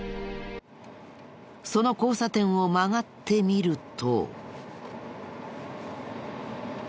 その交差点を曲がってみると。